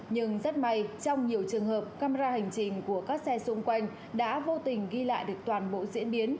nhưng rất may trong nhiều trường hợp camera hành trình của các xe xung quanh đã vô tình ghi lại được toàn bộ diễn biến